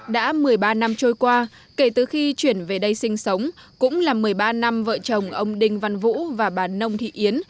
đã một mươi ba năm trôi qua kể từ khi chuyển về đây sinh sống cũng là một mươi ba năm vợ chồng ông đình văn vũ và bà nông thị yến